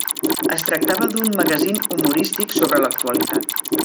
Es tractava d'un magazín humorístic sobre l'actualitat.